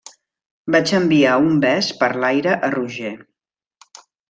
Vaig enviar un bes per l'aire a Roger.